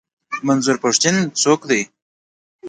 منظور پښتين څوک دی؟